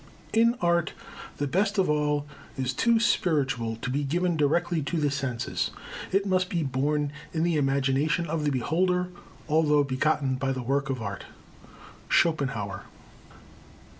In art the best of all is too spiritual to be given directly to the senses; it must be born in the imagination of the beholder, although begotten by the work of art. SCHOPENHAUER.